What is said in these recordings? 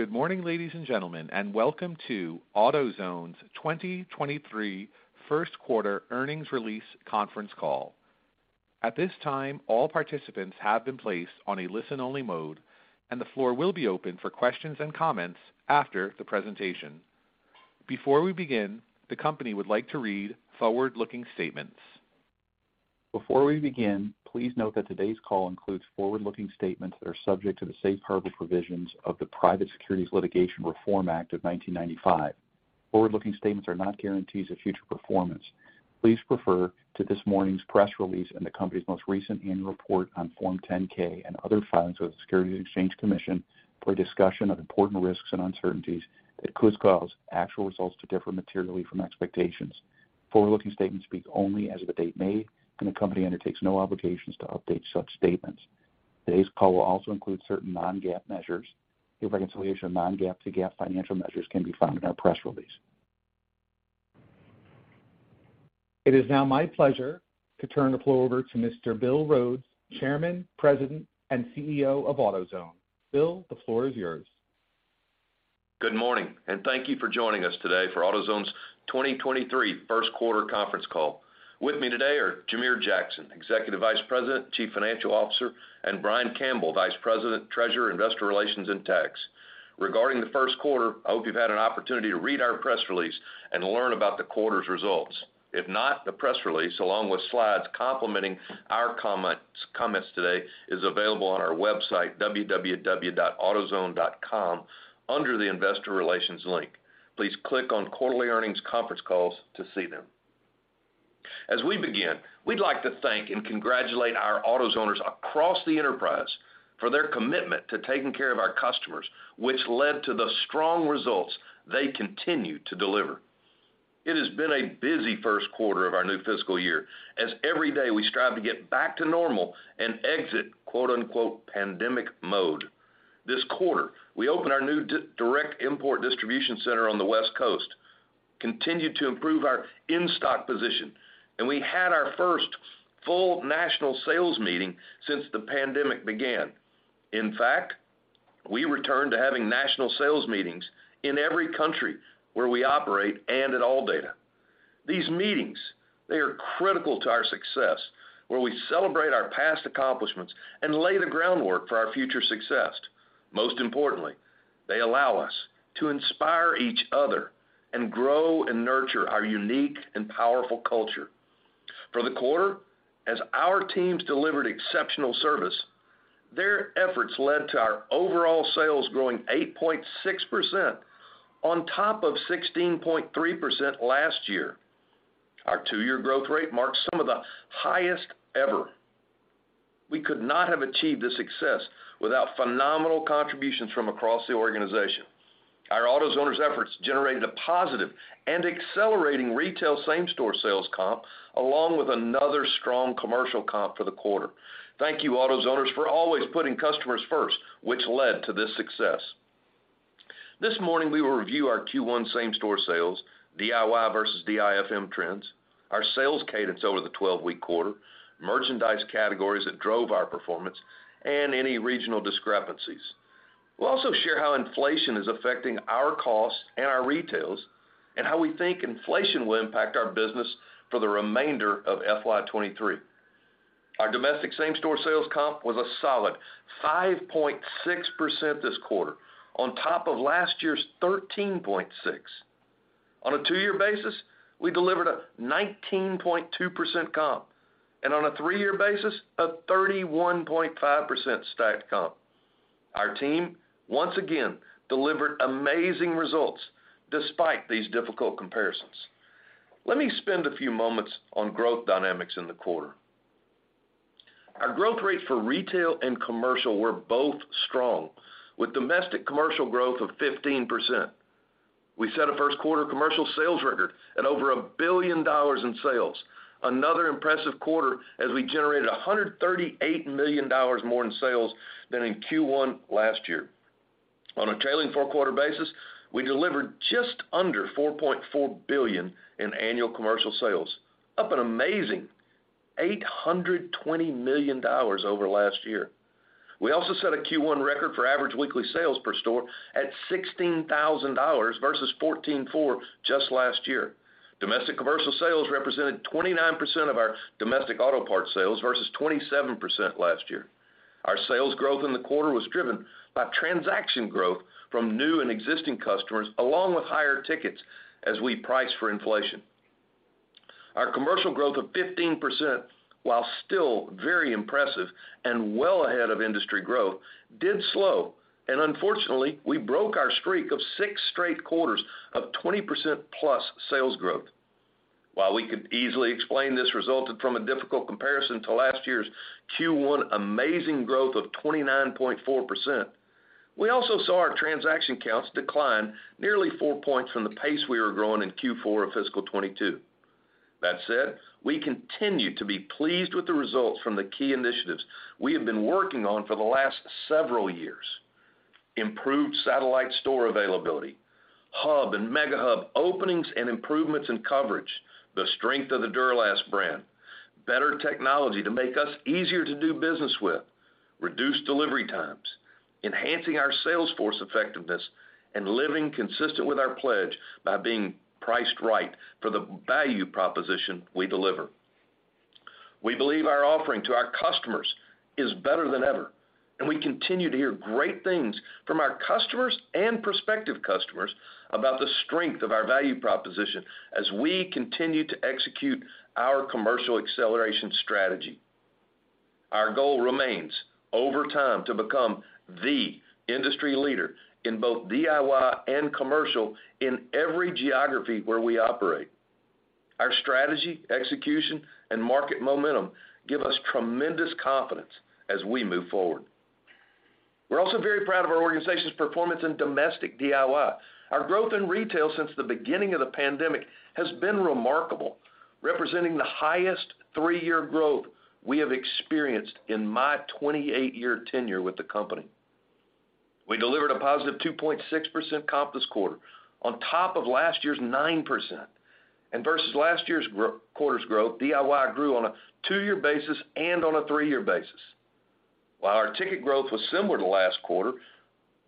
Good morning, ladies and gentlemen, welcome to AutoZone's 2023 first quarter earnings release conference call. At this time, all participants have been placed on a listen-only mode. The floor will be open for questions and comments after the presentation. Before we begin, the company would like to read forward-looking statements. Before we begin, please note that today's call includes forward-looking statements that are subject to the safe harbor provisions of the Private Securities Litigation Reform Act of 1995. Forward-looking statements are not guarantees of future performance. Please refer to this morning's press release and the company's most recent Annual Report on Form 10-K and other filings with the Securities and Exchange Commission for a discussion of important risks and uncertainties that could cause actual results to differ materially from expectations. Forward-looking statements speak only as of the date made, and the company undertakes no obligations to update such statements. Today's call will also include certain non-GAAP measures. Your reconciliation of non-GAAP to GAAP financial measures can be found in our press release. It is now my pleasure to turn the floor over to Mr. Bill Rhodes, Chairman, President and CEO of AutoZone. Bill, the floor is yours. Good morning, and thank you for joining us today for AutoZone's 2023 first quarter conference call. With me today are Jamere Jackson, Executive Vice President, Chief Financial Officer, and Brian Campbell, Vice President, Treasurer, Investor Relations, and Tax. Regarding the first quarter, I hope you've had an opportunity to read our press release and learn about the quarter's results. If not, the press release, along with slides complementing our comments today, is available on our website, www.autozone.com, under the Investor Relations link. Please click on Quarterly Earnings Conference Calls to see them. As we begin, we'd like to thank and congratulate our AutoZoners across the enterprise for their commitment to taking care of our customers, which led to the strong results they continue to deliver. It has been a busy first quarter of our new fiscal year, as every day we strive to get back to normal and exit quote-unquote pandemic mode. This quarter, we opened our new direct import distribution center on the West Coast, continued to improve our in-stock position, and we had our first full national sales meeting since the pandemic began. In fact, we returned to having national sales meetings in every country where we operate and at ALLDATA. These meetings, they are critical to our success, where we celebrate our past accomplishments and lay the groundwork for our future success. Most importantly, they allow us to inspire each other and grow and nurture our unique and powerful culture. For the quarter, as our teams delivered exceptional service, their efforts led to our overall sales growing 8.6% on top of 16.3% last year. Our two-year growth rate marks some of the highest ever. We could not have achieved this success without phenomenal contributions from across the organization. Our AutoZoners' efforts generated a positive and accelerating retail same-store sales comp along with another strong commercial comp for the quarter. Thank you, AutoZoners, for always putting customers first, which led to this success. This morning, we will review our Q1 same-store sales, DIY versus DIFM trends, our sales cadence over the 12-week quarter, merchandise categories that drove our performance, and any regional discrepancies. We'll also share how inflation is affecting our costs and our retails and how we think inflation will impact our business for the remainder of FY 2023. Our domestic same-store sales comp was a solid 5.6% this quarter on top of last year's 13.6%. On a two-year basis, we delivered a 19.2% comp, and on a three-year basis, a 31.5% stacked comp. Our team once again delivered amazing results despite these difficult comparisons. Let me spend a few moments on growth dynamics in the quarter. Our growth rate for retail and commercial were both strong, with domestic commercial growth of 15%. We set a first quarter commercial sales record at over $1 billion in sales. Another impressive quarter as we generated $138 million more in sales than in Q1 last year. On a trailing four-quarter basis, we delivered just under $4.4 billion in annual commercial sales, up an amazing $820 million over last year. We also set a Q1 record for average weekly sales per store at $16,000 versus $14,400 just last year. Domestic commercial sales represented 29% of our domestic auto parts sales versus 27% last year. Our sales growth in the quarter was driven by transaction growth from new and existing customers along with higher tickets as we priced for inflation. Our commercial growth of 15%, while still very impressive and well ahead of industry growth, did slow, and unfortunately, we broke our streak of six straight quarters of 20% plus sales growth. While we could easily explain this resulted from a difficult comparison to last year's Q1 amazing growth of 29.4%, we also saw our transaction counts decline nearly four points from the pace we were growing in Q4 of fiscal 2022. That said, we continue to be pleased with the results from the key initiatives we have been working on for the last several years: improved satellite store availability. Hub and Mega Hub openings and improvements in coverage, the strength of the Duralast brand, better technology to make us easier to do business with, reduced delivery times, enhancing our sales force effectiveness, and living consistent with our pledge by being priced right for the value proposition we deliver. We believe our offering to our customers is better than ever, and we continue to hear great things from our customers and prospective customers about the strength of our value proposition as we continue to execute our commercial acceleration strategy. Our goal remains over time to become the industry leader in both DIY and commercial in every geography where we operate. Our strategy, execution, and market momentum give us tremendous confidence as we move forward. We're also very proud of our organization's performance in domestic DIY. Our growth in retail since the beginning of the pandemic has been remarkable, representing the highest three-year growth we have experienced in my 28-year tenure with the company. We delivered a positive 2.6% comp this quarter on top of last year's 9%. Versus last year's quarter's growth, DIY grew on a two-year basis and on a three-year basis. While our ticket growth was similar to last quarter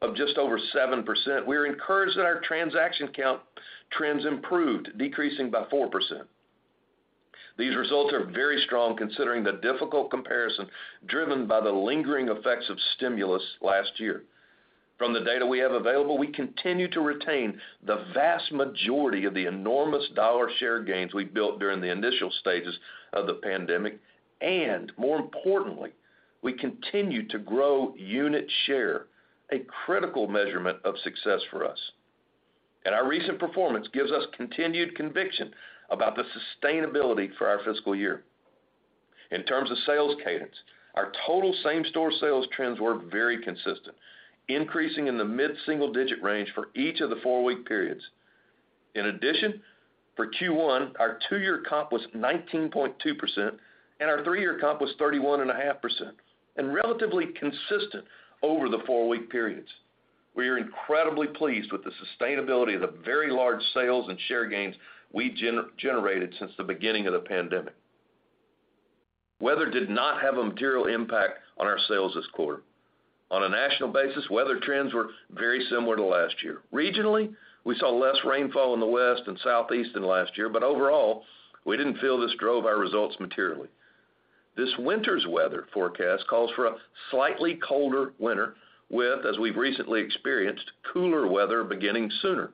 of just over 7%, we are encouraged that our transaction count trends improved, decreasing by 4%. These results are very strong considering the difficult comparison driven by the lingering effects of stimulus last year. From the data we have available, we continue to retain the vast majority of the enormous dollar share gains we built during the initial stages of the pandemic, and more importantly, we continue to grow unit share, a critical measurement of success for us. Our recent performance gives us continued conviction about the sustainability for our fiscal year. In terms of sales cadence, our total same-store sales trends were very consistent, increasing in the mid-single digit range for each of the four-week periods. In addition, for Q1, our two-year comp was 19.2%, and our three-year comp was 31 and a half percent, and relatively consistent over the four-week periods. We are incredibly pleased with the sustainability of the very large sales and share gains we generated since the beginning of the pandemic. Weather did not have a material impact on our sales this quarter. On a national basis, weather trends were very similar to last year. Regionally, we saw less rainfall in the West and Southeast than last year, overall, we didn't feel this drove our results materially. This winter's weather forecast calls for a slightly colder winter with, as we've recently experienced, cooler weather beginning sooner.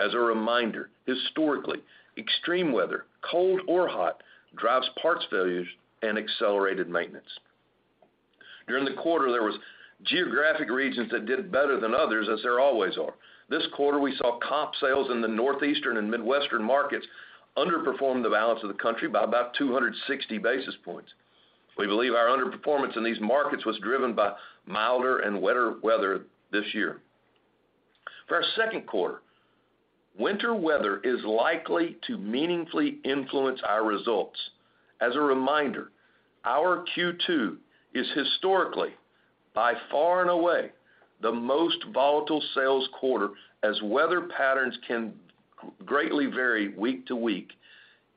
As a reminder, historically, extreme weather, cold or hot, drives parts failures and accelerated maintenance. During the quarter, there was geographic regions that did better than others, as there always are. This quarter, we saw comp sales in the Northeastern and Midwestern markets underperform the balance of the country by about 260 basis points. We believe our underperformance in these markets was driven by milder and wetter weather this year. For our second quarter, winter weather is likely to meaningfully influence our results. As a reminder, our Q2 is historically, by far and away, the most volatile sales quarter as weather patterns can greatly vary week to week,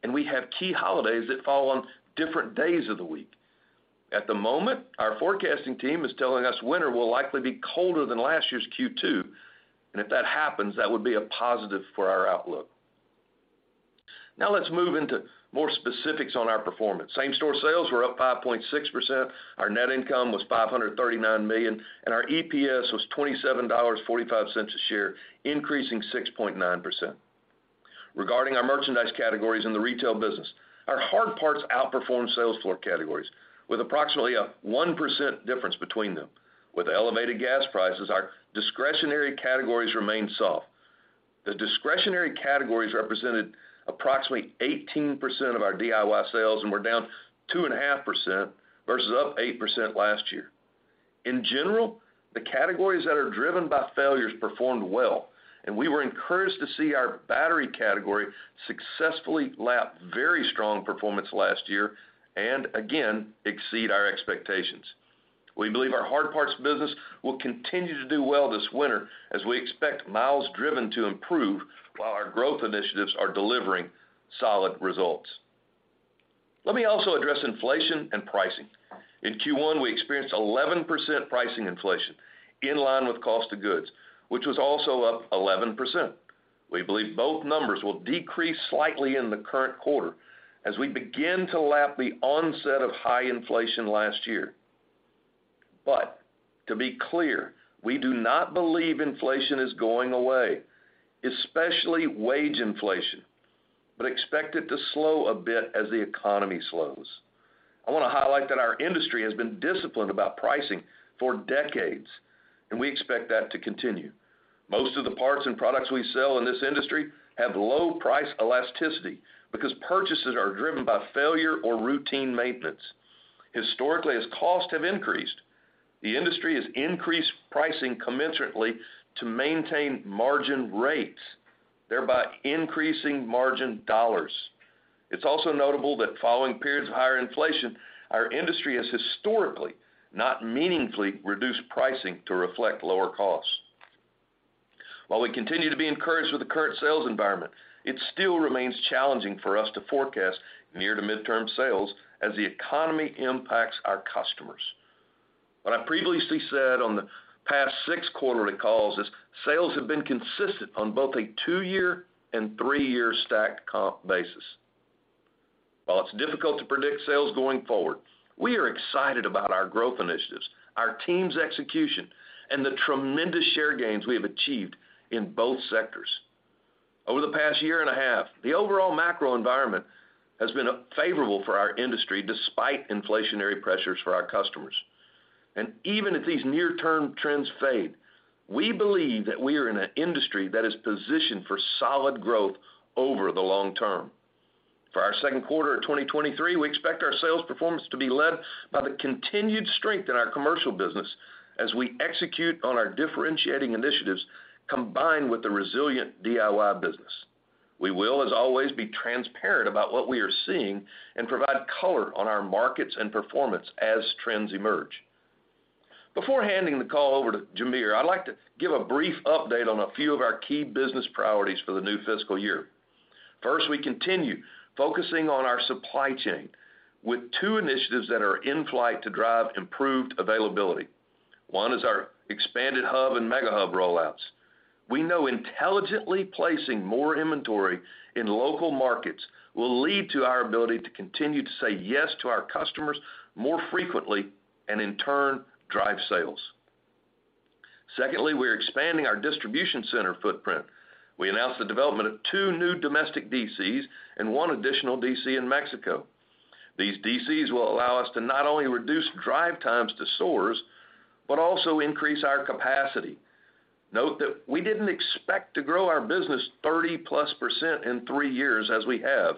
and we have key holidays that fall on different days of the week. At the moment, our forecasting team is telling us winter will likely be colder than last year's Q2, and if that happens, that would be a positive for our outlook. Now let's move into more specifics on our performance. Same-store sales were up 5.6%. Our net income was $539 million, and our EPS was $27.45 a share, increasing 6.9%. Regarding our merchandise categories in the retail business, our hard parts outperformed sales floor categories with approximately a 1% difference between them. With elevated gas prices, our discretionary categories remained soft. The discretionary categories represented approximately 18% of our DIY sales and were down 2.5% versus up 8% last year. In general, the categories that are driven by failures performed well, and we were encouraged to see our battery category successfully lap very strong performance last year and again exceed our expectations. We believe our hard parts business will continue to do well this winter as we expect miles driven to improve while our growth initiatives are delivering solid results. Let me also address inflation and pricing. In Q1, we experienced 11% pricing inflation in line with cost of goods, which was also up 11%. We believe both numbers will decrease slightly in the current quarter as we begin to lap the onset of high inflation last year. To be clear, we do not believe inflation is going away, especially wage inflation, but expect it to slow a bit as the economy slows. I wanna highlight that our industry has been disciplined about pricing for decades, and we expect that to continue. Most of the parts and products we sell in this industry have low price elasticity because purchases are driven by failure or routine maintenance. Historically, as costs have increased, the industry has increased pricing commensurately to maintain margin rate, thereby increasing margin dollars. It's also notable that following periods of higher inflation, our industry has historically, not meaningfully reduced pricing to reflect lower costs. While we continue to be encouraged with the current sales environment, it still remains challenging for us to forecast near to midterm sales as the economy impacts our customers. What I previously said on the past six quarterly calls is sales have been consistent on both a two-year and three-year stacked comp basis. While it's difficult to predict sales going forward, we are excited about our growth initiatives, our team's execution, and the tremendous share gains we have achieved in both sectors. Over the past year and a half, the overall macro environment has been favorable for our industry despite inflationary pressures for our customers. Even if these near-term trends fade, we believe that we are in an industry that is positioned for solid growth over the long term. For our second quarter of 2023, we expect our sales performance to be led by the continued strength in our commercial business as we execute on our differentiating initiatives combined with the resilient DIY business. We will, as always, be transparent about what we are seeing and provide color on our markets and performance as trends emerge. Before handing the call over to Jamere, I'd like to give a brief update on a few of our key business priorities for the new fiscal year. First, we continue focusing on our supply chain with two initiatives that are in flight to drive improved availability. One is our expanded hub and Mega Hub rollouts. We know intelligently placing more inventory in local markets will lead to our ability to continue to say yes to our customers more frequently, and in turn, drive sales. Secondly, we're expanding our distribution center footprint. We announced the development of two new domestic DCs and one additional DC in Mexico. These DCs will allow us to not only reduce drive times to stores, but also increase our capacity. Note that we didn't expect to grow our business 30%+ in three years as we have.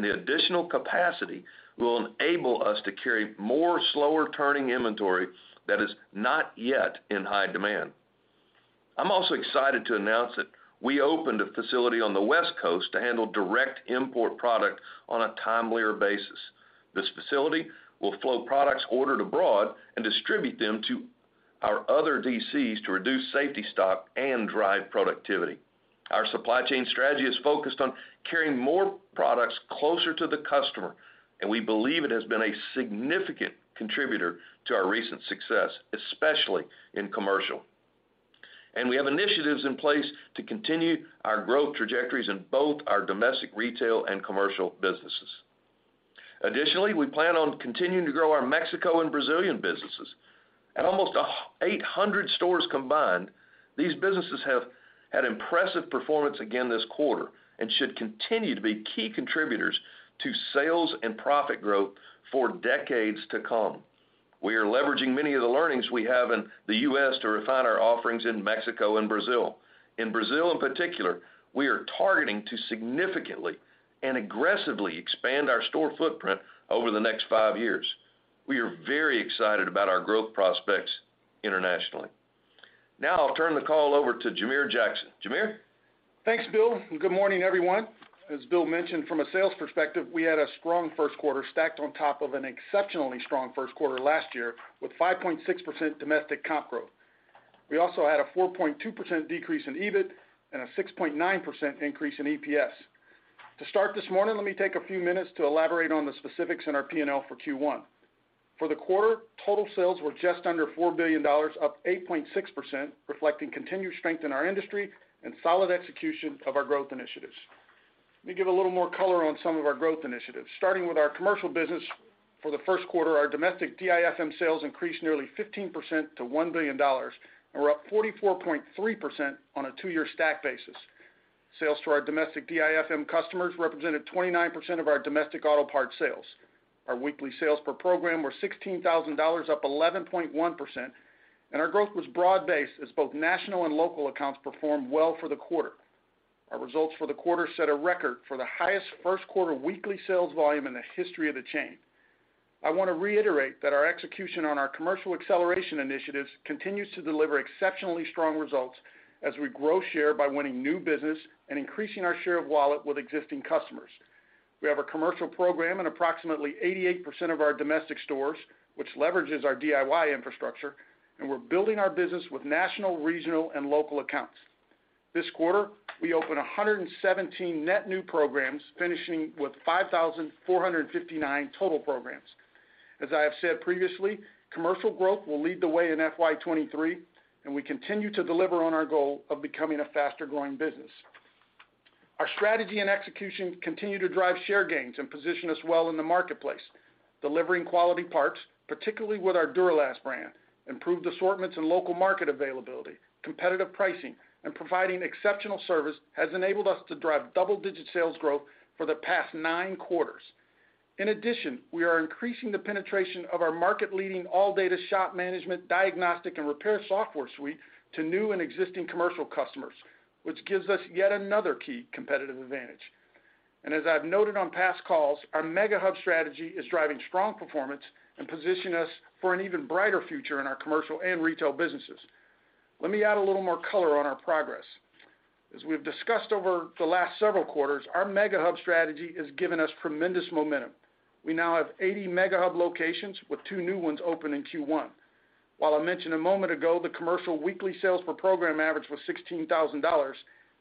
The additional capacity will enable us to carry more slower-turning inventory that is not yet in high demand. I'm also excited to announce that we opened a facility on the West Coast to handle direct import product on a timelier basis. This facility will flow products ordered abroad and distribute them to our other DCs to reduce safety stock and drive productivity. Our supply chain strategy is focused on carrying more products closer to the customer. We believe it has been a significant contributor to our recent success, especially in commercial. We have initiatives in place to continue our growth trajectories in both our domestic, retail, and commercial businesses. Additionally, we plan on continuing to grow our Mexico and Brazilian businesses. At almost 800 stores combined, these businesses have had impressive performance again this quarter and should continue to be key contributors to sales and profit growth for decades to come. We are leveraging many of the learnings we have in the U.S. to refine our offerings in Mexico and Brazil. In Brazil, in particular, we are targeting to significantly and aggressively expand our store footprint over the next five years. We are very excited about our growth prospects internationally. Now, I'll turn the call over to Jamere Jackson. Jamere? Thanks, Bill, and good morning, everyone. As Bill mentioned, from a sales perspective, we had a strong first quarter stacked on top of an exceptionally strong first quarter last year with 5.6% domestic comp growth. We also had a 4.2% decrease in EBIT and a 6.9% increase in EPS. To start this morning, let me take a few minutes to elaborate on the specifics in our P&L for Q1. For the quarter, total sales were just under $4 billion, up 8.6%, reflecting continued strength in our industry and solid execution of our growth initiatives. Let me give a little more color on some of our growth initiatives, starting with our commercial business for the first quarter, our domestic DIFM sales increased nearly 15% to $1 billion and were up 44.3% on a two-year stack basis. Sales to our domestic DIFM customers represented 29% of our domestic auto parts sales. Our weekly sales per program were $16,000, up 11.1%, and our growth was broad-based as both national and local accounts performed well for the quarter. Our results for the quarter set a record for the highest first quarter weekly sales volume in the history of the chain. I wanna reiterate that our execution on our commercial acceleration initiatives continues to deliver exceptionally strong results as we grow share by winning new business and increasing our share of wallet with existing customers. We have a commercial program in approximately 88% of our domestic stores, which leverages our DIY infrastructure, and we're building our business with national, regional, and local accounts. This quarter, we opened 117 net new programs, finishing with 5,459 total programs. As I have said previously, commercial growth will lead the way in FY 2023, and we continue to deliver on our goal of becoming a faster-growing business. Our strategy and execution continue to drive share gains and position us well in the marketplace. Delivering quality parts, particularly with our Duralast brand, improved assortments and local market availability, competitive pricing, and providing exceptional service has enabled us to drive double-digit sales growth for the past nine quarters. In addition, we are increasing the penetration of our market-leading ALLDATA shop management diagnostic and repair software suite to new and existing commercial customers, which gives us yet another key competitive advantage. As I've noted on past calls, our Mega Hub strategy is driving strong performance and positioning us for an even brighter future in our commercial and retail businesses. Let me add a little more color on our progress. As we've discussed over the last several quarters, our Mega Hub strategy has given us tremendous momentum. We now have 80 Mega Hub locations, with two new ones opening in Q1. While I mentioned a moment ago the commercial weekly sales per program average was $16,000,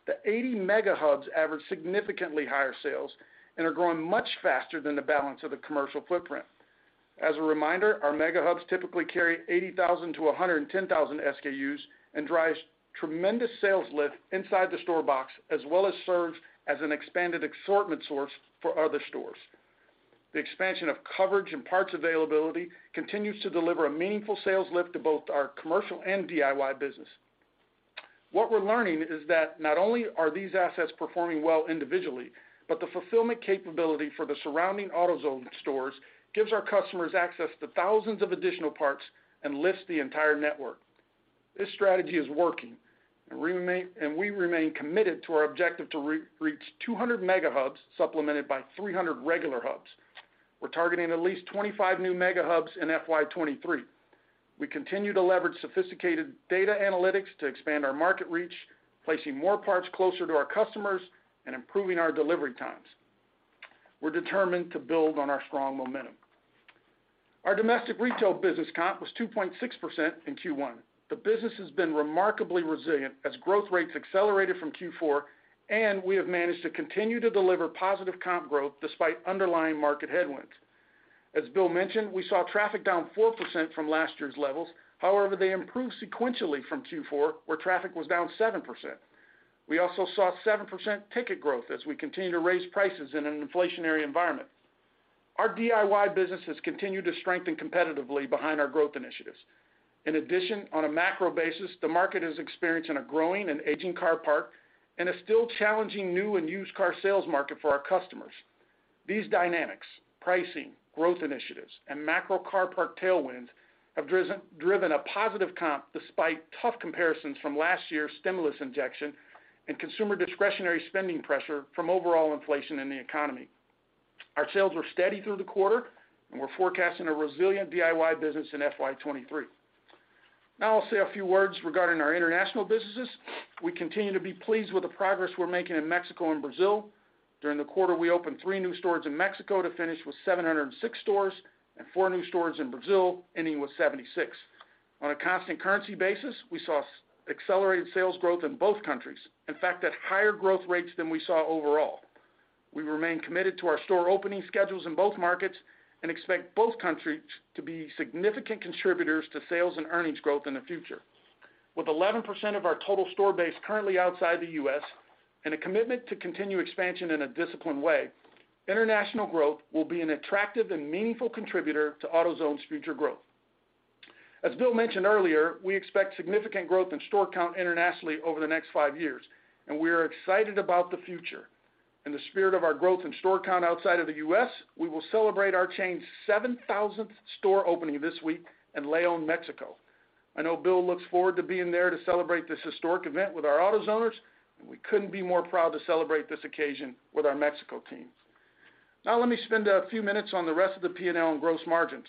the 80 Mega Hubs average significantly higher sales and are growing much faster than the balance of the commercial footprint. As a reminder, our Mega Hubs typically carry 80,000-110,000 SKUs and drives tremendous sales lift inside the store box, as well as serves as an expanded assortment source for other stores. The expansion of coverage and parts availability continues to deliver a meaningful sales lift to both our commercial and DIY business. What we're learning is that not only are these assets performing well individually, but the fulfillment capability for the surrounding AutoZone stores gives our customers access to thousands of additional parts and lifts the entire network. This strategy is working, and we remain committed to our objective to re-reach 200 Mega Hubs, supplemented by 300 regular hubs. We're targeting at least 25 new Mega Hubs in FY 2023. We continue to leverage sophisticated data analytics to expand our market reach, placing more parts closer to our customers and improving our delivery times. We're determined to build on our strong momentum. Our domestic retail business comp was 2.6% in Q1. The business has been remarkably resilient as growth rates accelerated from Q4, and we have managed to continue to deliver positive comp growth despite underlying market headwinds. As Bill mentioned, we saw traffic down 4% from last year's levels. However, they improved sequentially from Q4, where traffic was down 7%. We also saw 7% ticket growth as we continue to raise prices in an inflationary environment. Our DIY business has continued to strengthen competitively behind our growth initiatives. In addition, on a macro basis, the market is experiencing a growing and aging car park and a still challenging new and used car sales market for our customers. These dynamics, pricing, growth initiatives, and macro car park tailwinds have driven a positive comp despite tough comparisons from last year's stimulus injection and consumer discretionary spending pressure from overall inflation in the economy. Our sales were steady through the quarter, and we're forecasting a resilient DIY business in FY 2023. I'll say a few words regarding our international businesses. We continue to be pleased with the progress we're making in Mexico and Brazil. During the quarter, we opened three new stores in Mexico to finish with 706 stores and four new stores in Brazil, ending with 76. On a constant currency basis, we saw accelerated sales growth in both countries. In fact, at higher growth rates than we saw overall. We remain committed to our store opening schedules in both markets and expect both countries to be significant contributors to sales and earnings growth in the future. With 11% of our total store base currently outside the U.S. and a commitment to continue expansion in a disciplined way, international growth will be an attractive and meaningful contributor to AutoZone's future growth. As Bill mentioned earlier, we expect significant growth in store count internationally over the next five years, and we are excited about the future. In the spirit of our growth in store count outside of the U.S., we will celebrate our chain's 7,000th store opening this week in León, Mexico. I know Bill looks forward to being there to celebrate this historic event with our AutoZoners. We couldn't be more proud to celebrate this occasion with our Mexico teams. Let me spend a few minutes on the rest of the P&L and gross margins.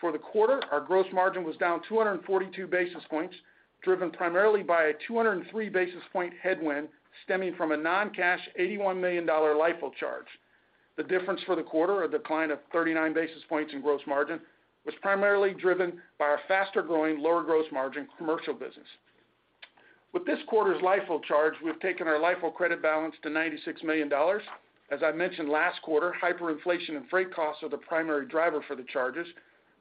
For the quarter, our gross margin was down 242 basis points, driven primarily by a 203 basis point headwind stemming from a non-cash $81 million LIFO charge. The difference for the quarter, a decline of 39 basis points in gross margin, was primarily driven by our faster-growing, lower gross margin commercial business. With this quarter's LIFO charge, we've taken our LIFO credit balance to $96 million. As I mentioned last quarter, hyperinflation and freight costs are the primary driver for the charges.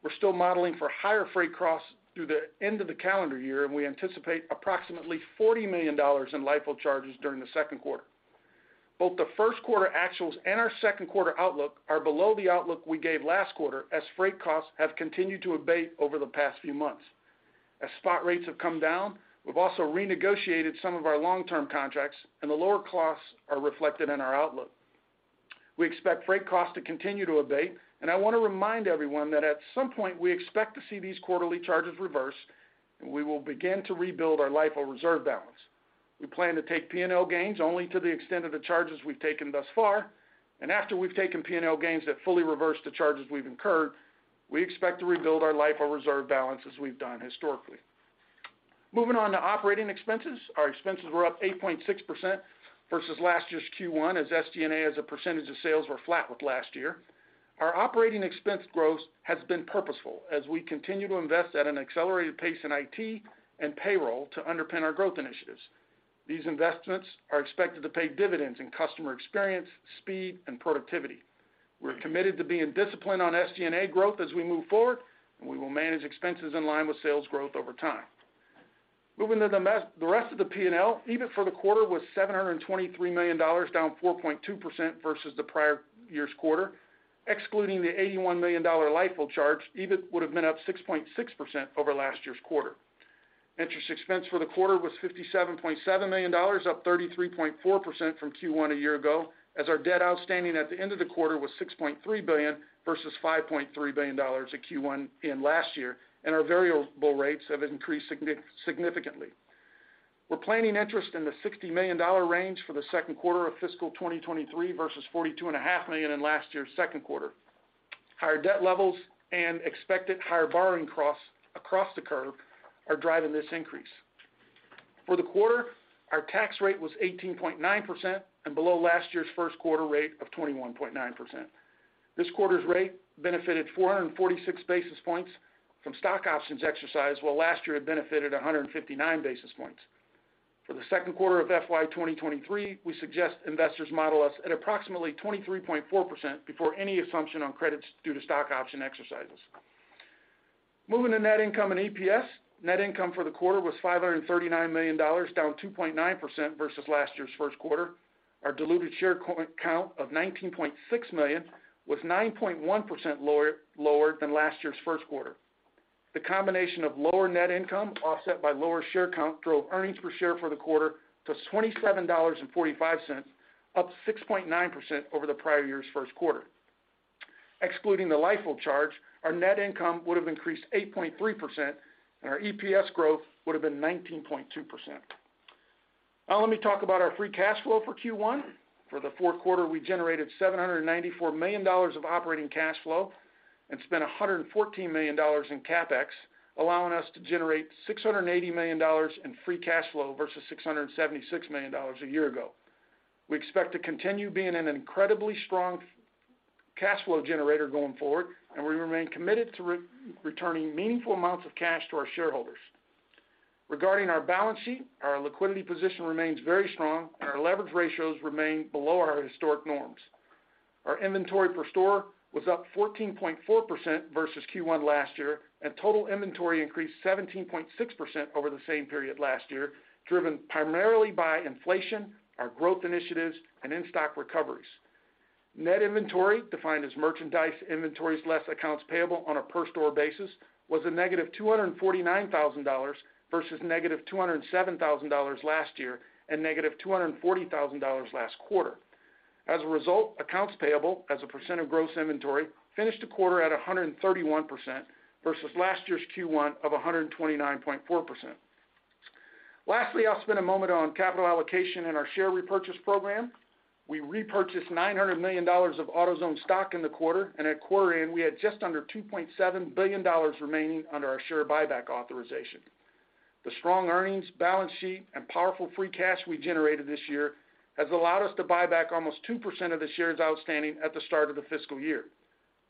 We're still modeling for higher freight costs through the end of the calendar year, and we anticipate approximately $40 million in LIFO charges during the second quarter. Both the first quarter actuals and our second quarter outlook are below the outlook we gave last quarter, as freight costs have continued to abate over the past few months. As spot rates have come down, we've also renegotiated some of our long-term contracts, and the lower costs are reflected in our outlook. We expect freight costs to continue to abate, and I wanna remind everyone that at some point, we expect to see these quarterly charges reverse, and we will begin to rebuild our LIFO reserve balance. We plan to take P&L gains only to the extent of the charges we've taken thus far. After we've taken P&L gains that fully reverse the charges we've incurred, we expect to rebuild our LIFO reserve balance as we've done historically. Moving on to operating expenses. Our expenses were up 8.6% versus last year's Q1, as SG&A as a percentage of sales were flat with last year. Our operating expense growth has been purposeful as we continue to invest at an accelerated pace in IT and payroll to underpin our growth initiatives. These investments are expected to pay dividends in customer experience, speed, and productivity. We're committed to being disciplined on SG&A growth as we move forward. We will manage expenses in line with sales growth over time. Moving to the rest of the P&L, EBIT for the quarter was $723 million, down 4.2% versus the prior year's quarter. Excluding the $81 million LIFO charge, EBIT would have been up 6.6% over last year's quarter. Interest expense for the quarter was $57.7 million, up 33.4% from Q1 a year ago, as our debt outstanding at the end of the quarter was $6.3 billion versus $5.3 billion at Q1 in last year, and our variable rates have increased significantly. We're planning interest in the $60 million range for the second quarter of fiscal 2023 versus $42.5 million in last year's second quarter. Higher debt levels and expected higher borrowing costs across the curve are driving this increase. For the quarter, our tax rate was 18.9% and below last year's first quarter rate of 21.9%. This quarter's rate benefited 446 basis points from stock options exercised, while last year it benefited 159 basis points. For the second quarter of FY 2023, we suggest investors model us at approximately 23.4% before any assumption on credits due to stock option exercises. Moving to net income and EPS. Net income for the quarter was $539 million, down 2.9% versus last year's first quarter. Our diluted share count of 19.6 million was 9.1% lower than last year's first quarter. The combination of lower net income offset by lower share count drove earnings per share for the quarter to $27.45, up 6.9% over the prior year's first quarter. Excluding the LIFO charge, our net income would have increased 8.3% and our EPS growth would have been 19.2%. Now let me talk about our free cash flow for Q1. For the fourth quarter, we generated $794 million of operating cash flow and spent $114 million in CapEx, allowing us to generate $680 million in free cash flow versus $676 million a year ago. We expect to continue being an incredibly strong cash flow generator going forward, and we remain committed to re-returning meaningful amounts of cash to our shareholders. Regarding our balance sheet, our liquidity position remains very strong and our leverage ratios remain below our historic norms. Our inventory per store was up 14.4% versus Q1 last year, and total inventory increased 17.6% over the same period last year, driven primarily by inflation, our growth initiatives, and in-stock recoveries. Net inventory, defined as merchandise inventories less accounts payable on a per store basis, was a $-249,000 versus $-207,000 last year and $-240,000 last quarter. As a result, accounts payable as a percent of gross inventory finished the quarter at 131% versus last year's Q1 of 129.4%. Lastly, I'll spend a moment on capital allocation and our share repurchase program. We repurchased $900 million of AutoZone stock in the quarter. At quarter end, we had just under $2.7 billion remaining under our share buyback authorization. The strong earnings, balance sheet, and powerful free cash we generated this year has allowed us to buy back almost 2% of the shares outstanding at the start of the fiscal year.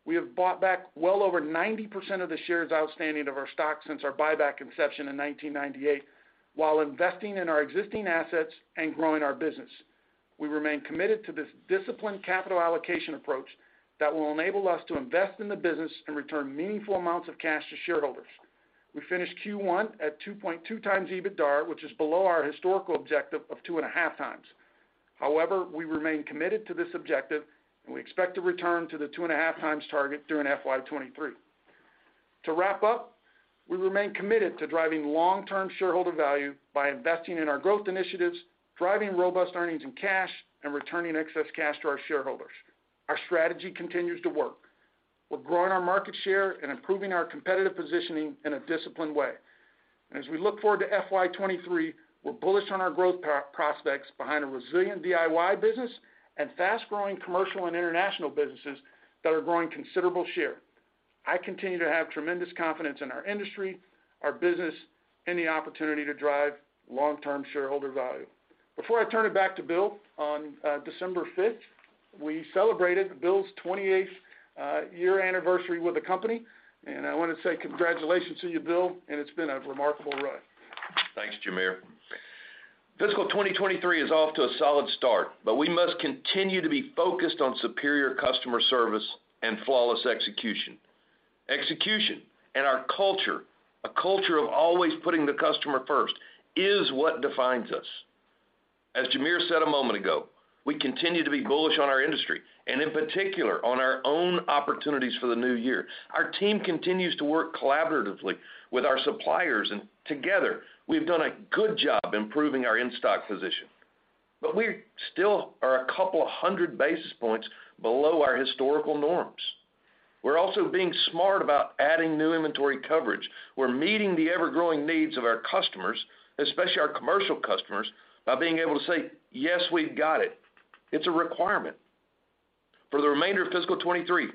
We have bought back well over 90% of the shares outstanding of our stock since our buyback inception in 1998, while investing in our existing assets and growing our business. We remain committed to this disciplined capital allocation approach that will enable us to invest in the business and return meaningful amounts of cash to shareholders. We finished Q1 at 2.2x EBITDAR, which is below our historical objective of 2.5x. However, we remain committed to this objective, and we expect to return to the 2.5x target during FY 2023. To wrap up, we remain committed to driving long-term shareholder value by investing in our growth initiatives, driving robust earnings and cash, and returning excess cash to our shareholders. Our strategy continues to work. We're growing our market share and improving our competitive positioning in a disciplined way. As we look forward to FY 2023, we're bullish on our growth prospects behind a resilient DIY business and fast-growing commercial and international businesses that are growing considerable share. I continue to have tremendous confidence in our industry, our business, and the opportunity to drive long-term shareholder value. Before I turn it back to Bill, on December fifth, we celebrated Bill's 28th year anniversary with the company, and I wanna say congratulations to you, Bill, and it's been a remarkable ride. Thanks, Jamere. Fiscal 2023 is off to a solid start, but we must continue to be focused on superior customer service and flawless execution. Execution and our culture, a culture of always putting the customer first, is what defines us. As Jamere said a moment ago, we continue to be bullish on our industry and in particular on our own opportunities for the new year. Our team continues to work collaboratively with our suppliers, and together we've done a good job improving our in-stock position. We still are a couple of 100 basis points below our historical norms. We're also being smart about adding new inventory coverage. We're meeting the ever-growing needs of our customers, especially our commercial customers, by being able to say, "Yes, we've got it." It's a requirement. For the remainder of fiscal 2023,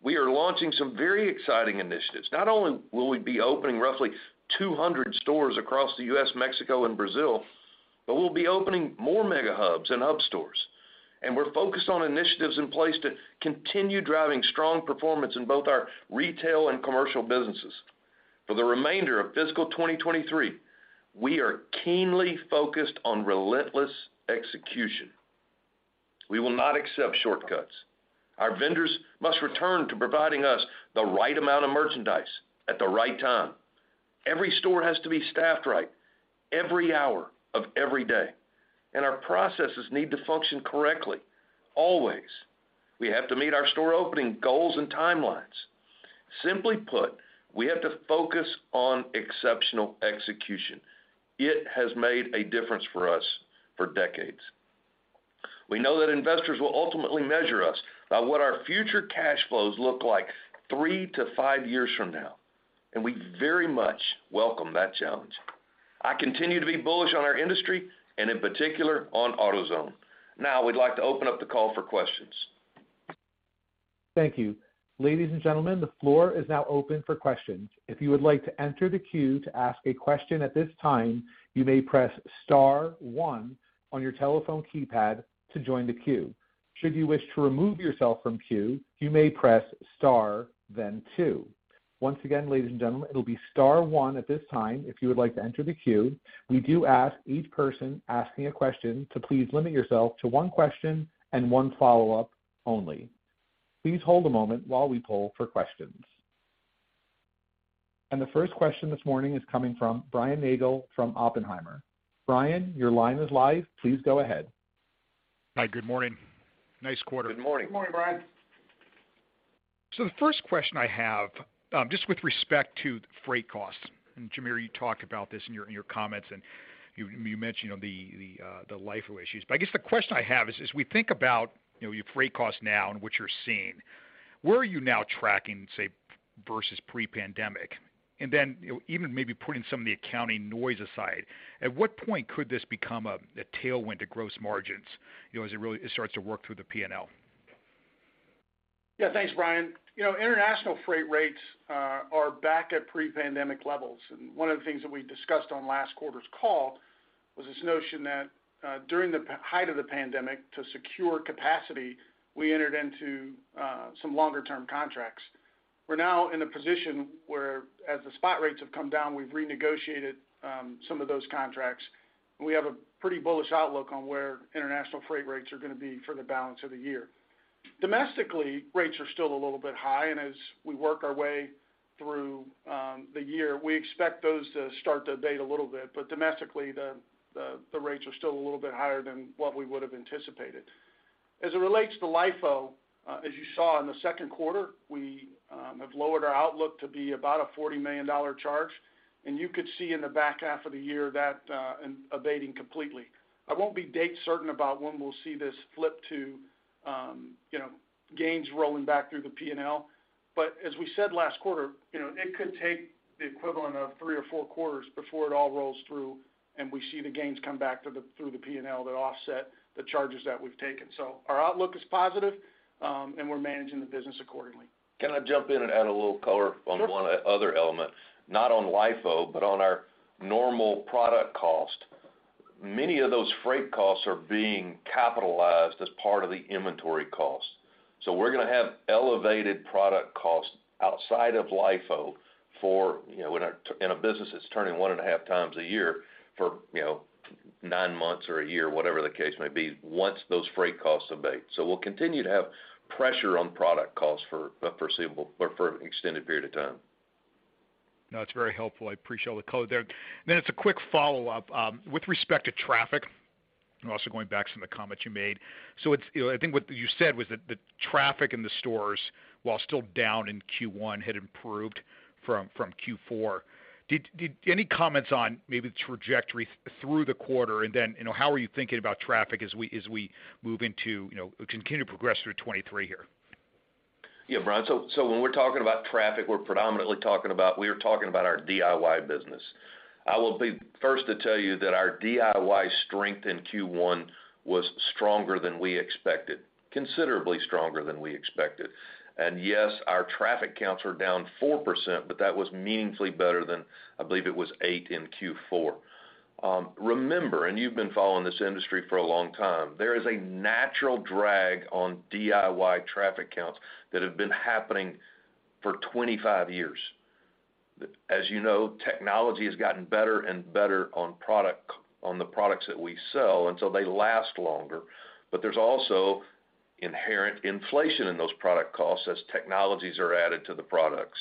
we are launching some very exciting initiatives. Not only will we be opening roughly 200 stores across the U.S., Mexico and Brazil, we'll be opening more Mega Hubs and hub stores, we're focused on initiatives in place to continue driving strong performance in both our retail and commercial businesses. For the remainder of fiscal 2023, we are keenly focused on relentless execution. We will not accept shortcuts. Our vendors must return to providing us the right amount of merchandise at the right time. Every store has to be staffed right every hour of every day, Our processes need to function correctly always. We have to meet our store opening goals and timelines. Simply put, we have to focus on exceptional execution. It has made a difference for us for decades. We know that investors will ultimately measure us by what our future cash flows look like three to five years from now, we very much welcome that challenge. I continue to be bullish on our industry and in particular on AutoZone. We'd like to open up the call for questions. Thank you. Ladies and gentlemen, the floor is now open for questions. If you would like to enter the queue to ask a question at this time, you may press star one on your telephone keypad to join the queue. Should you wish to remove yourself from queue, you may press star then two. Once again, ladies and gentlemen, it'll be star one at this time, if you would like to enter the queue. We do ask each person asking a question to please limit yourself to one question and one follow-up only. Please hold a moment while we poll for questions. The first question this morning is coming from Brian Nagel from Oppenheimer. Brian, your line is live. Please go ahead. Hi. Good morning. Nice quarter. Good morning. Good morning, Brian. The first question I have, just with respect to freight costs, and Jamere, you talked about this in your comments, and you mentioned on the LIFO issues. I guess the question I have is, as we think about, you know, your freight costs now and what you're seeing, where are you now tracking, say, versus pre-pandemic? You know, even maybe putting some of the accounting noise aside, at what point could this become a tailwind to gross margins, you know, as it really it starts to work through the P&L? Yeah. Thanks, Brian. You know, international freight rates are back at pre-pandemic levels. One of the things that we discussed on last quarter's call was this notion that during the height of the pandemic, to secure capacity, we entered into some longer term contracts. We're now in a position where as the spot rates have come down, we've renegotiated some of those contracts. We have a pretty bullish outlook on where international freight rates are gonna be for the balance of the year. Domestically, rates are still a little bit high, as we work our way through the year, we expect those to start to abate a little bit. Domestically, the rates are still a little bit higher than what we would have anticipated. As it relates to LIFO, as you saw in the second quarter, we have lowered our outlook to be about a $40 million charge, and you could see in the back half of the year that abating completely. I won't be date certain about when we'll see this flip to, you know, gains rolling back through the P&L. As we said last quarter, you know, it could take the equivalent of three or four quarters before it all rolls through and we see the gains come back through the P&L that offset the charges that we've taken. Our outlook is positive, and we're managing the business accordingly. Can I jump in and add a little color- Sure. On one other element? Not on LIFO, but on our normal product cost. Many of those freight costs are being capitalized as part of the inventory cost. We're gonna have elevated product costs outside of LIFO for, you know, in a business that's turning one and a half times a year for, you know, nine months or a year, whatever the case may be, once those freight costs abate. We'll continue to have pressure on product costs for a foreseeable or for an extended period of time. That's very helpful. I appreciate all the color there. It's a quick follow-up. With respect to traffic, I'm also going back some of the comments you made. You know, I think what you said was that the traffic in the stores, while still down in Q1, had improved from Q4. Did any comments on maybe the trajectory through the quarter and then, you know, how are you thinking about traffic as we, as we move into, you know, continue to progress through 2023 here? Yeah, Brian, when we're talking about traffic, we are talking about our DIY business. I will be first to tell you that our DIY strength in Q1 was stronger than we expected. Considerably stronger than we expected. Yes, our traffic counts were down 4%, but that was meaningfully better than, I believe it was 8% in Q4. Remember, and you've been following this industry for a long time, there is a natural drag on DIY traffic counts that have been happening for 25 years. As you know, technology has gotten better and better on the products that we sell, and so they last longer. There's also inherent inflation in those product costs as technologies are added to the products.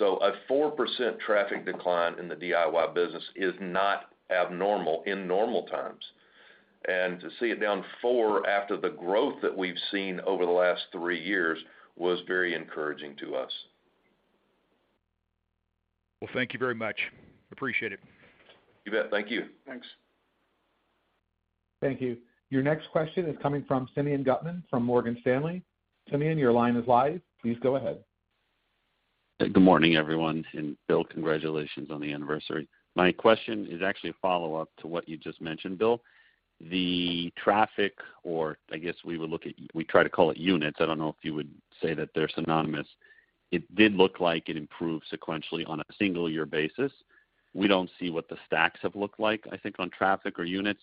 A 4% traffic decline in the DIY business is not abnormal in normal times. To see it down 4% after the growth that we've seen over the last three years was very encouraging to us. Well, thank you very much. Appreciate it. You bet. Thank you. Thanks. Thank you. Your next question is coming from Simeon Gutman from Morgan Stanley. Simeon, your line is live. Please go ahead. Good morning, everyone. Bill, congratulations on the anniversary. My question is actually a follow-up to what you just mentioned, Bill. The traffic, or I guess we would look at, we try to call it units. I don't know if you would say that they're synonymous. It did look like it improved sequentially on a single-year basis. We don't see what the stacks have looked like, I think, on traffic or units.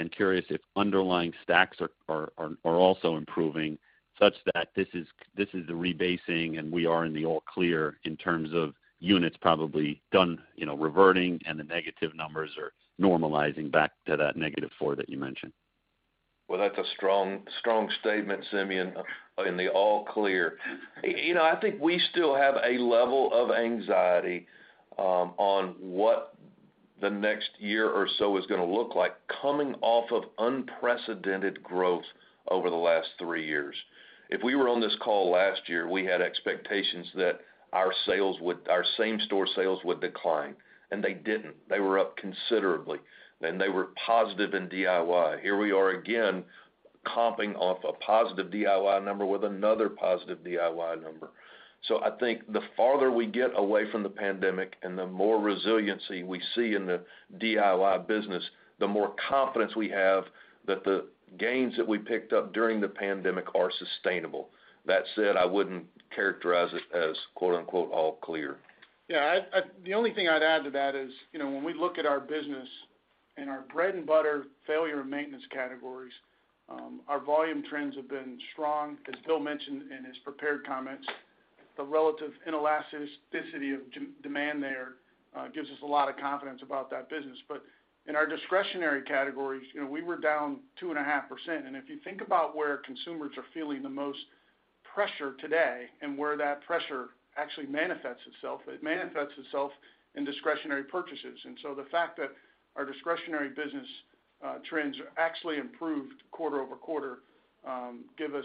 I'm curious if underlying stacks are also improving such that this is the rebasing and we are in the all clear in terms of units probably done, you know, reverting and the negative numbers are normalizing back to that -4 that you mentioned. That's a strong statement, Simeon, in the all clear. You know, I think we still have a level of anxiety, on what the next year or so is gonna look like coming off of unprecedented growth over the last three years. If we were on this call last year, we had expectations that our same store sales would decline, and they didn't. They were up considerably, and they were positive in DIY. Here we are again comping off a positive DIY number with another positive DIY number. I think the farther we get away from the pandemic and the more resiliency we see in the DIY business, the more confidence we have that the gains that we picked up during the pandemic are sustainable. That said, I wouldn't characterize it as quote-unquote, all clear. Yeah. The only thing I'd add to that is, you know, when we look at our business in our bread and butter failure and maintenance categories, our volume trends have been strong, as Bill mentioned in his prepared comments. The relative inelasticity of demand there gives us a lot of confidence about that business. In our discretionary categories, you know, we were down 2.5%. If you think about where consumers are feeling the most pressure today and where that pressure actually manifests itself, it manifests itself in discretionary purchases. The fact that our discretionary business trends actually improved quarter-over-quarter, give us,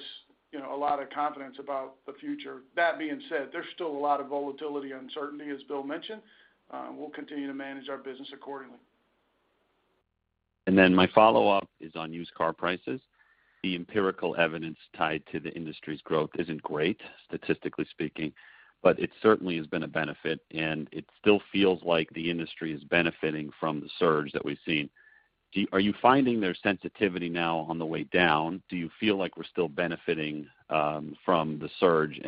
you know, a lot of confidence about the future. That being said, there's still a lot of volatility uncertainty, as Bill mentioned, and we'll continue to manage our business accordingly. My follow-up is on used car prices. The empirical evidence tied to the industry's growth isn't great, statistically speaking, but it certainly has been a benefit, and it still feels like the industry is benefiting from the surge that we've seen. Are you finding their sensitivity now on the way down? Do you feel like we're still benefiting from the surge?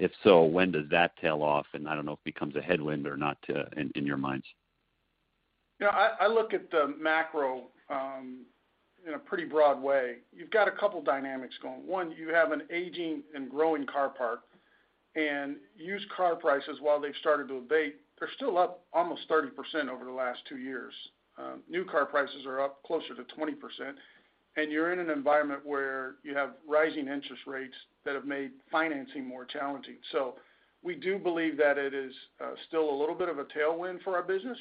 If so, when does that tail off? I don't know if it becomes a headwind or not to, in your minds. Yeah. I look at the macro in a pretty broad way. You've got a couple dynamics going. One, you have an aging and growing car park. Used car prices, while they've started to abate, they're still up almost 30% over the last two years. New car prices are up closer to 20%, and you're in an environment where you have rising interest rates that have made financing more challenging. We do believe that it is still a little bit of a tailwind for our business.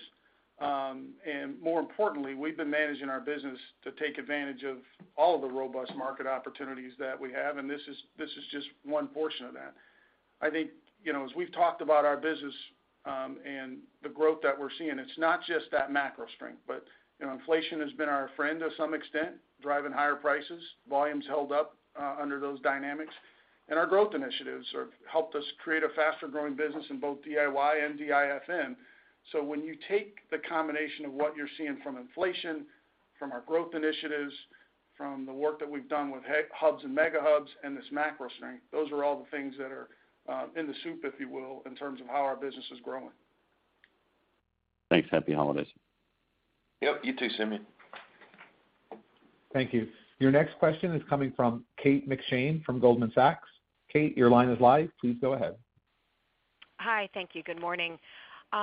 More importantly, we've been managing our business to take advantage of all the robust market opportunities that we have, and this is just one portion of that. I think, you know, as we've talked about our business, and the growth that we're seeing, it's not just that macro strength, but, you know, inflation has been our friend to some extent, driving higher prices. Volumes held up under those dynamics. Our growth initiatives have helped us create a faster growing business in both DIY and DIFM. When you take the combination of what you're seeing from inflation, from our growth initiatives, from the work that we've done with hubs and Mega Hubs and this macro strength, those are all the things that are in the soup, if you will, in terms of how our business is growing. Thanks. Happy holidays. Yep. You too, Simeon. Thank you. Your next question is coming from Kate McShane from Goldman Sachs. Kate, your line is live. Please go ahead. Hi. Thank you. Good morning.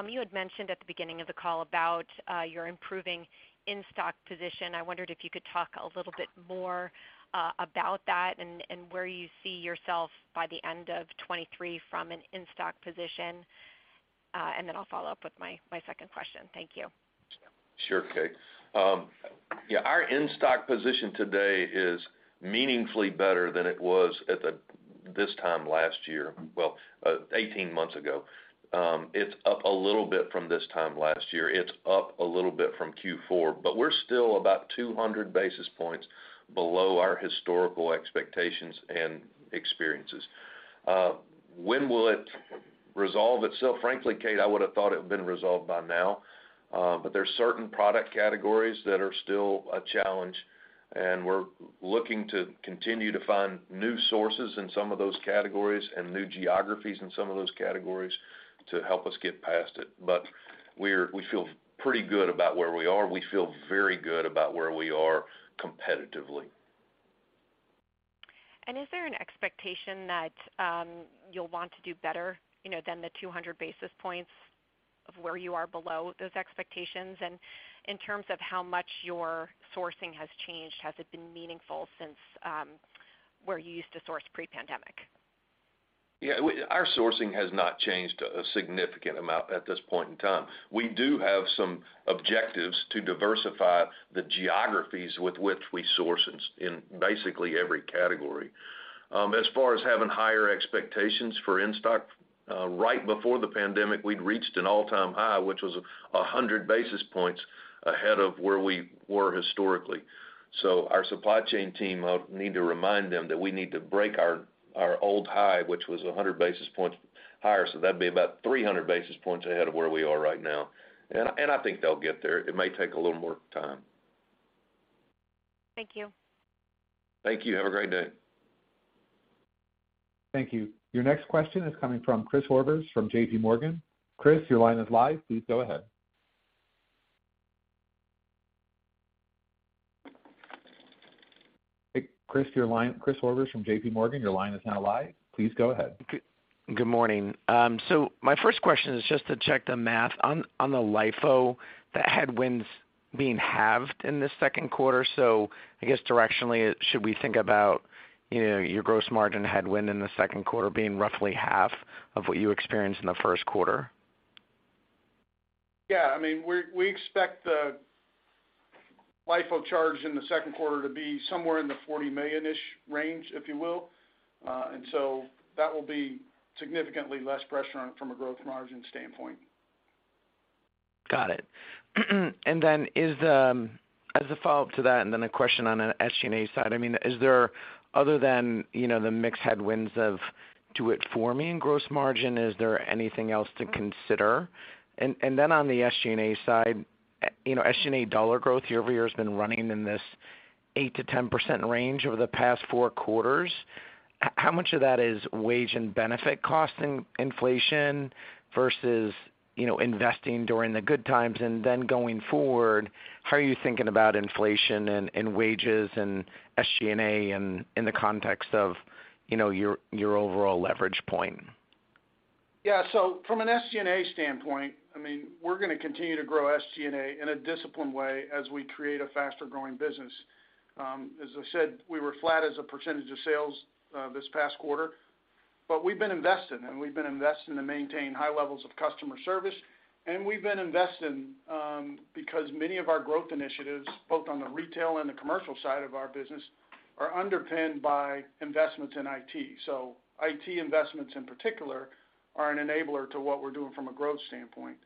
You had mentioned at the beginning of the call about your improving in-stock position. I wondered if you could talk a little bit more about that and where you see yourself by the end of 2023 from an in-stock position. Then I'll follow up with my second question. Thank you. Sure, Kate. Yeah, our in-stock position today is meaningfully better than it was at this time last year. Well, 18 months ago. It's up a little bit from this time last year. It's up a little bit from Q4. We're still about 200 basis points below our historical expectations and experiences. When will it resolve itself? Frankly, Kate, I would have thought it would have been resolved by now. There are certain product categories that are still a challenge, and we're looking to continue to find new sources in some of those categories and new geographies in some of those categories to help us get past it. We feel pretty good about where we are. We feel very good about where we are competitively. Is there an expectation that, you'll want to do better, you know, than the 200 basis points of where you are below those expectations? In terms of how much your sourcing has changed, has it been meaningful since, where you used to source pre-pandemic? Our sourcing has not changed a significant amount at this point in time. We do have some objectives to diversify the geographies with which we source in basically every category. As far as having higher expectations for in-stock, right before the pandemic, we'd reached an all-time high, which was 100 basis points ahead of where we were historically. Our supply chain team, I need to remind them that we need to break our old high, which was 100 basis points higher. That'd be about 300 basis points ahead of where we are right now. I think they'll get there. It may take a little more time. Thank you. Thank you. Have a great day. Thank you. Your next question is coming from Chris Horvers from JPMorgan. Chris, your line is live. Please go ahead. Hey, Chris. Chris Horvers from JPMorgan, your line is now live. Please go ahead. Good morning. My first question is just to check the math on the LIFO, the headwinds being halved in the second quarter. I guess directionally, should we think about, you know, your gross margin headwind in the second quarter being roughly half of what you experienced in the first quarter? Yeah. I mean, we expect the LIFO charge in the second quarter to be somewhere in the $40 million-ish range, if you will. That will be significantly less pressure on it from a gross margin standpoint. Got it. Is as a follow-up to that, and then a question on an SG&A side, I mean, is there other than, you know, the mix headwinds of do it for me and gross margin, is there anything else to consider? On the SG&A side, you know, SG&A dollar growth year-over-year has been running in this 8%-10% range over the past four quarters. How much of that is wage and benefit cost inflation versus, you know, investing during the good times? Going forward, how are you thinking about inflation and wages and SG&A in the context of, you know, your overall leverage point? Yeah. From an SG&A standpoint, I mean, we're gonna continue to grow SG&A in a disciplined way as we create a faster growing business. As I said, we were flat as a percentage of sales this past quarter, but we've been investing to maintain high levels of customer service. We've been investing because many of our growth initiatives, both on the retail and the commercial side of our business, are underpinned by investments in IT. IT investments in particular are an enabler to what we're doing from a growth standpoint.